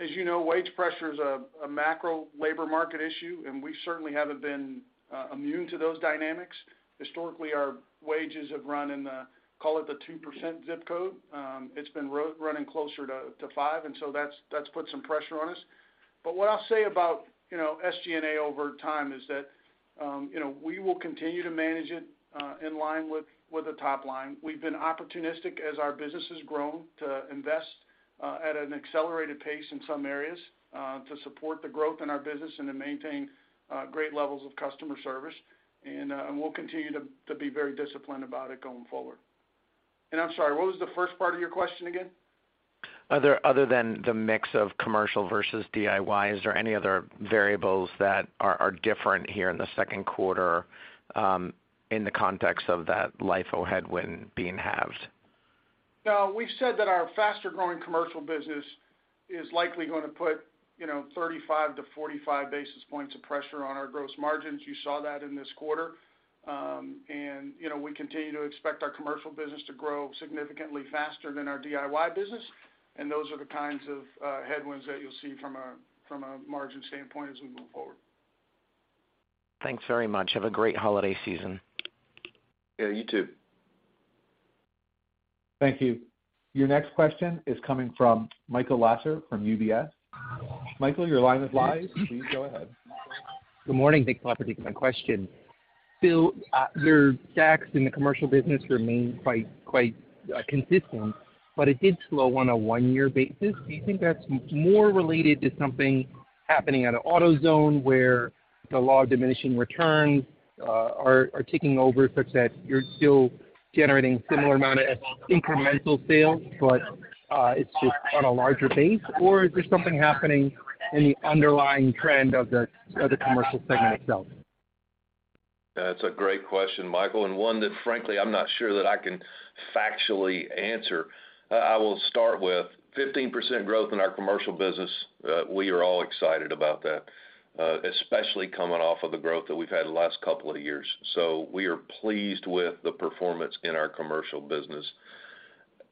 As you know, wage pressure is a macro labor market issue, and we certainly haven't been immune to those dynamics. Historically, our wages have run in the, call it, the 2% ZIP Code. It's been running closer to five. That's put some pressure on us. What I'll say about, you know, SG&A over time is that, you know, we will continue to manage it in line with the top line. We've been opportunistic as our business has grown to invest at an accelerated pace in some areas to support the growth in our business and to maintain great levels of customer service. We'll continue to be very disciplined about it going forward. I'm sorry, what was the first part of your question again? Other than the mix of commercial versus DIY, is there any other variables that are different here in the second quarter, in the context of that LIFO headwind being halved? No. We've said that our faster growing commercial business is likely gonna put, you know, 35-45 basis points of pressure on our gross margins. You saw that in this quarter. You know, we continue to expect our commercial business to grow significantly faster than our DIY business, and those are the kinds of headwinds that you'll see from a margin standpoint as we move forward. Thanks very much. Have a great holiday season. Yeah, you too. Thank you. Your next question is coming from Michael Lasser from UBS. Michael, your line is live. Please go ahead. Good morning. Thanks for taking my question. Bill, your stacks in the commercial business remain quite consistent, but it did slow on a one-year basis. Do you think that's more related to something happening at an AutoZone where the law of diminishing returns, are taking over such that you're still generating similar amount of incremental sales, but it's just on a larger base? Or is there something happening in the underlying trend of the, of the commercial segment itself? That's a great question, Michael, and one that frankly I'm not sure that I can factually answer. I will start with 15% growth in our commercial business, we are all excited about that, especially coming off of the growth that we've had the last couple of years. We are pleased with the performance in our commercial business.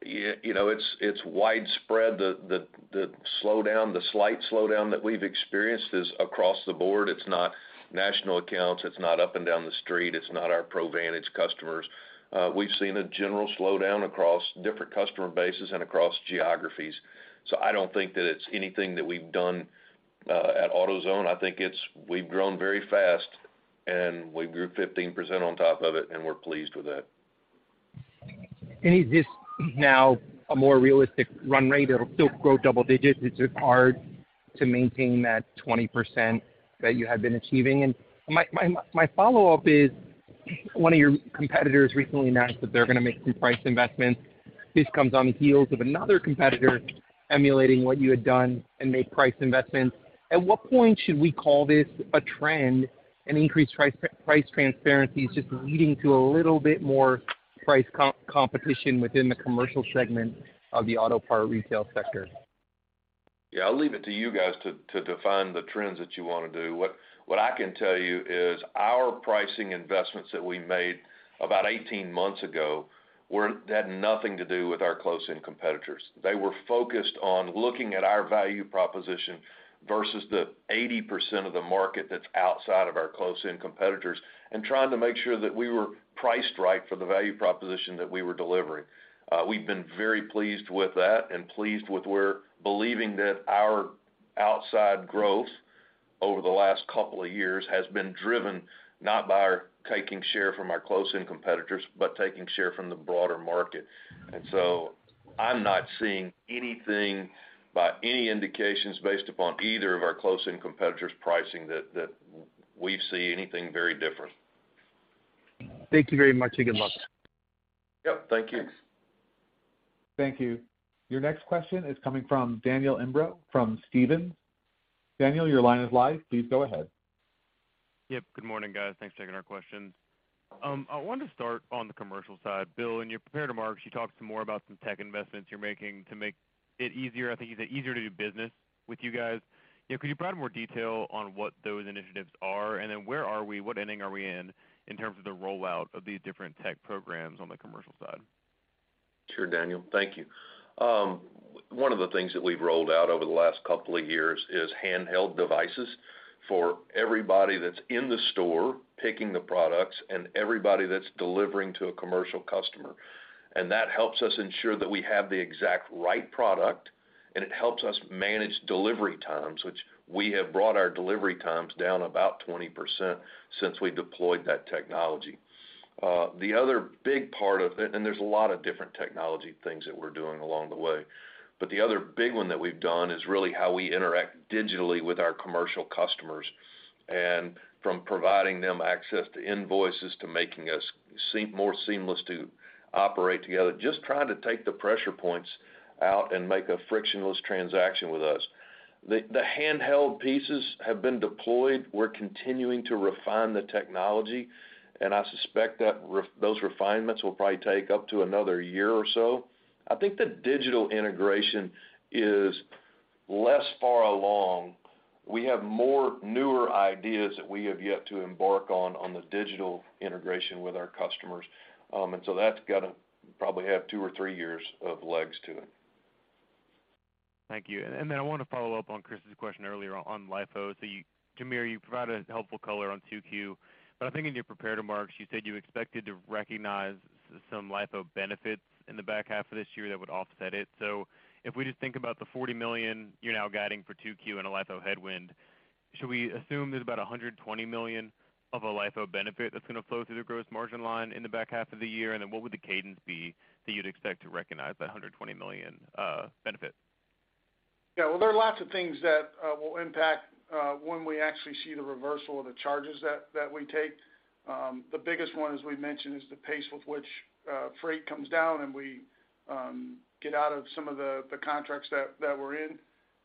You know, it's widespread the slight slowdown that we've experienced is across the board. It's not national accounts, it's not up and down the street, it's not our ProVantage customers. We've seen a general slowdown across different customer bases and across geographies. I don't think that it's anything that we've done at AutoZone. I think it's we've grown very fast, and we grew 15% on top of it, and we're pleased with that. Is this now a more realistic run rate that'll still grow double digits? It's just hard to maintain that 20% that you had been achieving. My follow-up is, one of your competitors recently announced that they're gonna make some price investments. This comes on the heels of another competitor emulating what you had done and made price investments. At what point should we call this a trend and increased price transparency is just leading to a little bit more price competition within the commercial segment of the auto part retail sector? Yeah, I'll leave it to you guys to define the trends that you wanna do. What I can tell you is our pricing investments that we made about 18 months ago had nothing to do with our close-in competitors. They were focused on looking at our value proposition versus the 80% of the market that's outside of our close-in competitors and trying to make sure that we were priced right for the value proposition that we were delivering. We've been very pleased with that and pleased with we're believing that our outside growth over the last couple of years has been driven not by our taking share from our close-in competitors, but taking share from the broader market. I'm not seeing anything by any indications based upon either of our close-in competitors' pricing that we see anything very different. Thank you very much and good luck. Yep. Thank you. Thanks. Thank you. Your next question is coming from Daniel Imbro from Stephens. Daniel, your line is live. Please go ahead. Yep. Good morning, guys. Thanks for taking our questions. I wanted to start on the commercial side. Bill, in your prepared remarks, you talked some more about some tech investments you're making to make it easier, I think you said easier to do business with you guys. You know, could you provide more detail on what those initiatives are? Where are we, what inning are we in terms of the rollout of these different tech programs on the commercial side? Sure, Daniel. Thank Thank you. One of the things that we've rolled out over the last couple of years is handheld devices for everybody that's in the store picking the products and everybody that's delivering to a commercial customer. That helps us ensure that we have the exact right product, and it helps us manage delivery times, which we have brought our delivery times down about 20% since we deployed that technology. The other big part of it, and there's a lot of different technology things that we're doing along the way, but the other big one that we've done is really how we interact digitally with our commercial customers. From providing them access to invoices, to making us more seamless to operate together, just trying to take the pressure points out and make a frictionless transaction with us. The handheld pieces have been deployed. We're continuing to refine the technology, and I suspect that those refinements will probably take up to another year or so. I think the digital integration is less far along. We have more newer ideas that we have yet to embark on the digital integration with our customers. That's gotta probably have two or three years of legs to it. Thank you. I want to follow up on Chris's question earlier on LIFO. Jamere, you provided helpful color on 2Q, but I think in your prepared remarks, you said you expected to recognize some LIFO benefits in the back half of this year that would offset it. If we just think about the $40 million you're now guiding for 2Q and a LIFO headwind, should we assume there's about $120 million of a LIFO benefit that's gonna flow through the gross margin line in the back half of the year? What would the cadence be that you'd expect to recognize that $120 million benefit? Well, there are lots of things that will impact when we actually see the reversal of the charges that we take. The biggest one, as we mentioned, is the pace with which freight comes down, and we get out of some of the contracts that we're in.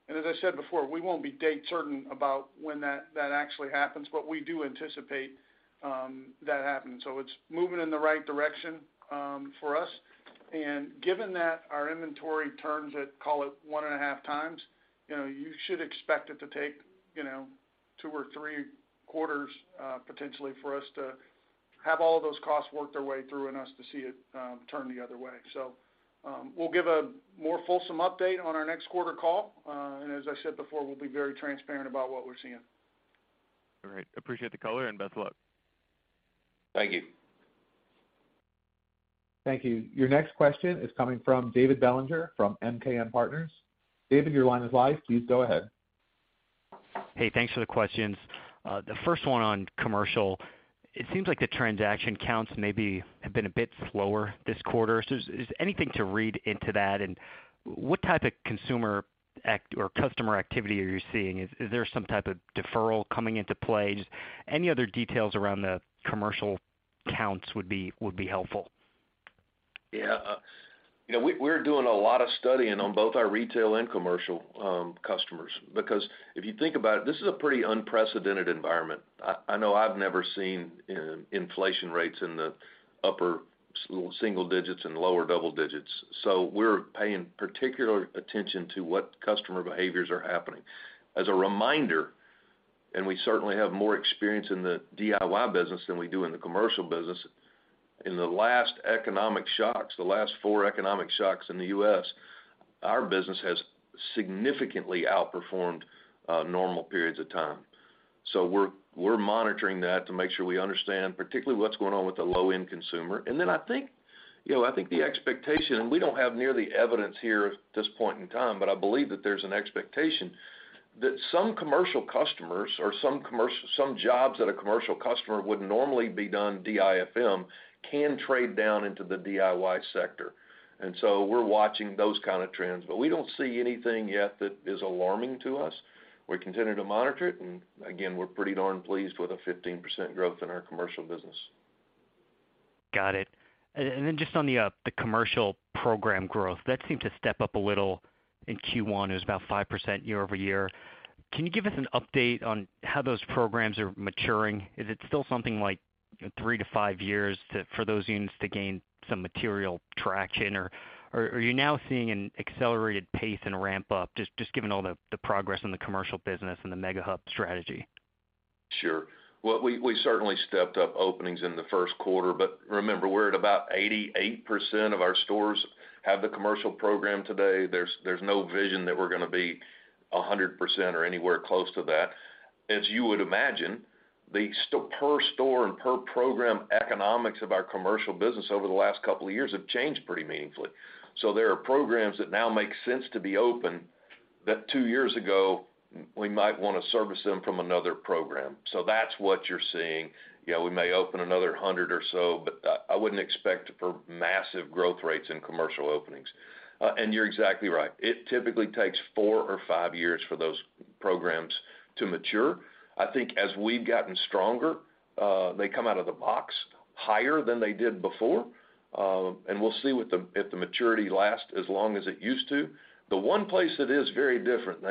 As I said before, we won't be date certain about when that actually happens, but we do anticipate that happening. It's moving in the right direction for us. Given that our inventory turns at, call it, 1.5x, you know, you should expect it to take, you know, two or three quarters potentially for us to have all those costs work their way through and us to see it turn the other way. We'll give a more fulsome update on our next quarter call. As I said before, we'll be very transparent about what we're seeing. All right. Appreciate the color, and best of luck. Thank you. Thank you. Your next question is coming from David Bellinger from MKM Partners. David, your line is live. Please go ahead. Hey, thanks for the questions. The first one on commercial, it seems like the transaction counts maybe have been a bit slower this quarter. Is anything to read into that? What type of consumer act or customer activity are you seeing? Is there some type of deferral coming into play? Just any other details around the commercial counts would be helpful. Yeah. You know, we're doing a lot of studying on both our retail and commercial customers, because if you think about it, this is a pretty unprecedented environment. I know I've never seen inflation rates in the upper single digits and lower double digits. We're paying particular attention to what customer behaviors are happening. As a reminder, and we certainly have more experience in the DIY business than we do in the commercial business, in the last economic shocks, the last four economic shocks in the U.S., our business has significantly outperformed normal periods of time. We're monitoring that to make sure we understand particularly what's going on with the low-end consumer. I think, you know, I think the expectation, and we don't have nearly evidence here at this point in time, but I believe that there's an expectation that some commercial customers or some jobs that a commercial customer would normally be done DIFM can trade down into the DIY sector. We're watching those kind of trends, but we don't see anything yet that is alarming to us. We continue to monitor it. Again, we're pretty darn pleased with a 15% growth in our commercial business. Got it. Then just on the commercial program growth, that seemed to step up a little in Q1. It was about 5% year-over-year. Can you give us an update on how those programs are maturing? Is it still something like three-five years for those units to gain some material traction? Or are you now seeing an accelerated pace and ramp up, just given all the progress in the commercial business and the Mega Hub strategy? Sure. Well, we certainly stepped up openings in the first quarter. Remember, we're at about 88% of our stores have the commercial program today. There's no vision that we're gonna be 100% or anywhere close to that. As you would imagine, the per store and per program economics of our commercial business over the last couple of years have changed pretty meaningfully. There are programs that now make sense to be open that two years ago we might wanna service them from another program. That's what you're seeing. Yeah, we may open another 100 or so. I wouldn't expect for massive growth rates in commercial openings. You're exactly right. It typically takes four or five years for those programs to mature. I think as we've gotten stronger, they come out of the box higher than they did before, and we'll see if the maturity lasts as long as it used to. The one place that is very different,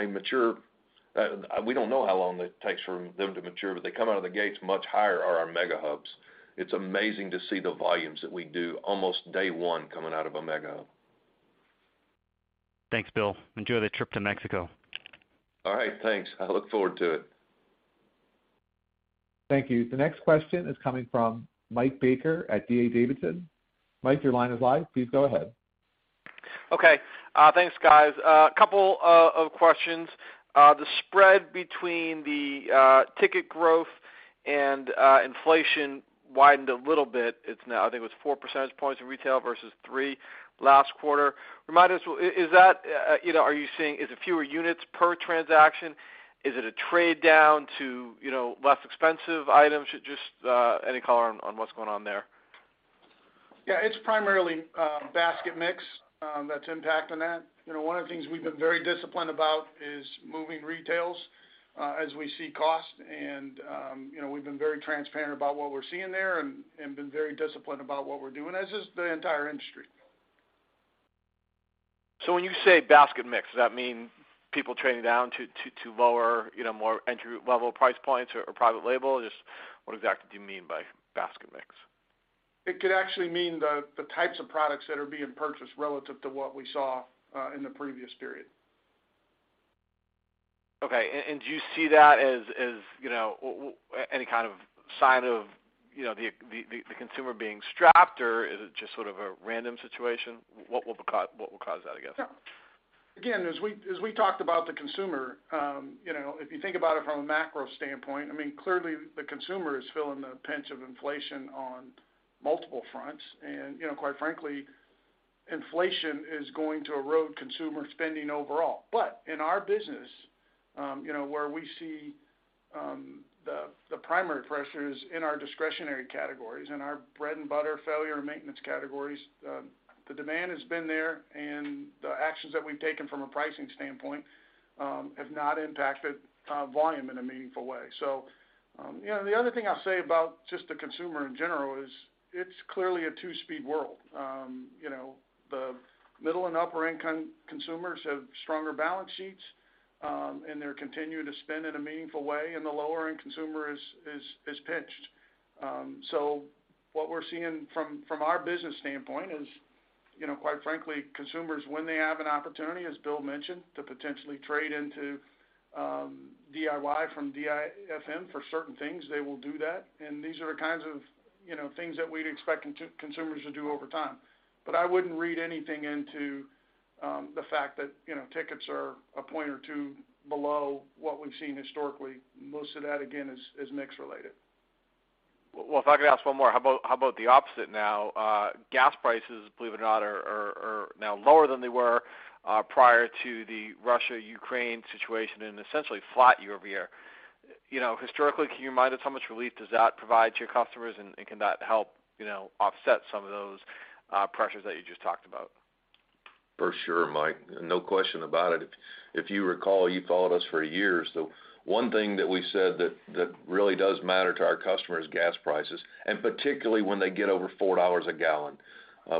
we don't know how long it takes for them to mature, but they come out of the gates much higher are our Mega Hubs. It's amazing to see the volumes that we do almost day one coming out of a Mega Hub. Thanks, Bill. Enjoy the trip to Mexico. All right, thanks. I look forward to it. Thank you. The next question is coming from Mike Baker at D.A. Davidson. Mike, your line is live. Please go ahead. Okay. Thanks guys. A couple of questions. The spread between the ticket growth and inflation widened a little bit. It's now, I think it was four percentage points in retail versus three last quarter. Remind us, is that, you know, are you seeing is it fewer units per transaction? Is it a trade down to, you know, less expensive items? Just any color on what's going on there. Yeah, it's primarily basket mix that's impacting that. You know, one of the things we've been very disciplined about is moving retails as we see cost and, you know, we've been very transparent about what we're seeing there and been very disciplined about what we're doing, as is the entire industry. When you say basket mix, does that mean people trading down to lower, you know, more entry level price points or private label? Just what exactly do you mean by basket mix? It could actually mean the types of products that are being purchased relative to what we saw in the previous period. Okay. Do you see that as, you know, any kind of sign of, you know, the consumer being strapped, or is it just sort of a random situation? What would cause that, I guess? Yeah. Again, as we talked about the consumer, you know, if you think about it from a macro standpoint, I mean, clearly the consumer is feeling the pinch of inflation on multiple fronts. quite frankly, inflation is going to erode consumer spending overall. In our business, you know, where we see the primary pressures in our discretionary categories and our bread and butter failure and maintenance categories, the demand has been there and the actions that we've taken from a pricing standpoint have not impacted volume in a meaningful way. the other thing I'll say about just the consumer in general is it's clearly a two-speed world. You know, the middle and upper income consumers have stronger balance sheets, and they're continuing to spend in a meaningful way, and the lower end consumer is pinched. What we're seeing from our business standpoint is, you know, quite frankly, consumers when they have an opportunity, as Bill mentioned, to potentially trade into DIY from DIFM for certain things, they will do that. These are the kinds of, you know, things that we'd expect consumers to do over time. I wouldn't read anything into the fact that, you know, tickets are a point or two below what we've seen historically. Most of that, again, is mix related. Well, if I could ask one more. How about the opposite now? Gas prices, believe it or not, are now lower than they were prior to the Russia-Ukraine situation and essentially flat year-over-year. You know, historically, can you remind us how much relief does that provide to your customers, and can that help, you know, offset some of those pressures that you just talked about? For sure, Mike. No question about it. If you recall, you followed us for years, the one thing that we said that really does matter to our customers is gas prices, and particularly when they get over $4 a gallon.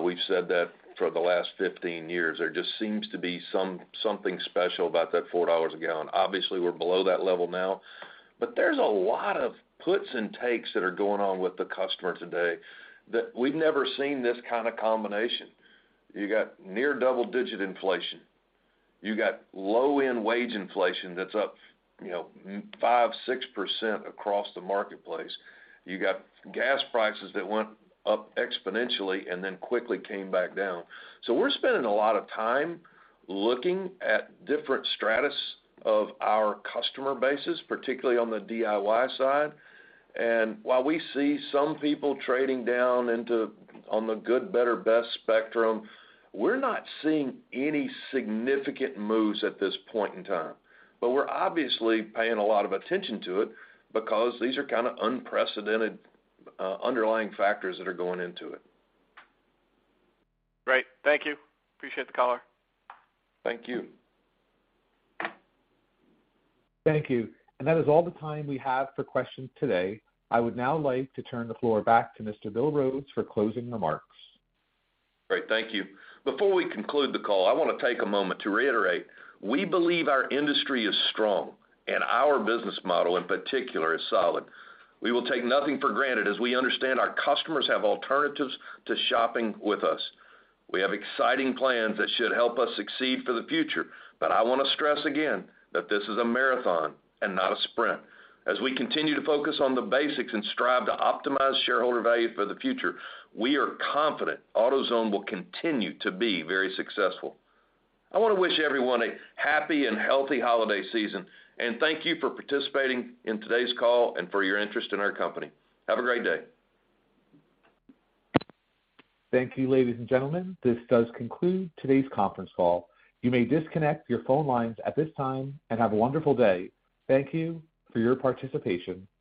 We've said that for the last 15 years. There just seems to be something special about that $4 a gallon. Obviously, we're below that level now, but there's a lot of puts and takes that are going on with the customer today that we've never seen this kind of combination. You got near double-digit inflation. You got low-end wage inflation that's up, you know, 5%, 6% across the marketplace. You got gas prices that went up exponentially and then quickly came back down. We're spending a lot of time looking at different stratus of our customer bases, particularly on the DIY side. While we see some people trading down into on the good, better, best spectrum, we're not seeing any significant moves at this point in time. We're obviously paying a lot of attention to it because these are kind of unprecedented underlying factors that are going into it. Great. Thank you. Appreciate the color. Thank you. Thank you. That is all the time we have for questions today. I would now like to turn the floor back to Mr. Bill Rhodes for closing remarks. Great, thank you. Before we conclude the call, I wanna take a moment to reiterate we believe our industry is strong and our business model in particular is solid. We will take nothing for granted as we understand our customers have alternatives to shopping with us. We have exciting plans that should help us succeed for the future. I wanna stress again that this is a marathon and not a sprint. As we continue to focus on the basics and strive to optimize shareholder value for the future, we are confident AutoZone will continue to be very successful. I wanna wish everyone a happy and healthy holiday season, and thank you for participating in today's call and for your interest in our company. Have a great day. Thank you, ladies and gentlemen. This does conclude today's conference call. You may disconnect your phone lines at this time and have a wonderful day. Thank you for your participation.